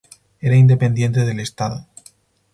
Era independiente del estado.